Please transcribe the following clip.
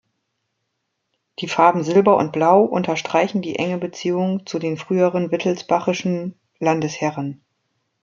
Die Farben Silber und Blau unterstreichen die enge Beziehung zu den früheren wittelsbachischen Landesherren.